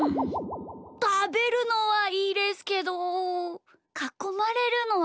たべるのはいいですけどかこまれるのはいやです。